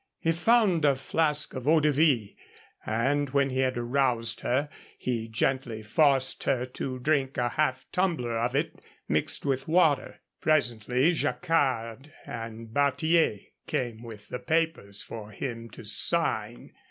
He found a flask of eau de vie, and when he had aroused her he gently forced her to drink a half tumbler of it mixed with water. Presently Jacquard and Barthier came with the papers for him to sign.